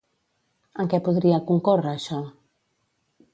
En què podria concórrer això?